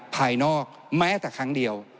ภายนอกแม้แต่ครั้งเดียว